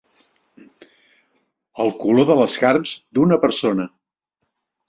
El color de les carns d'una persona.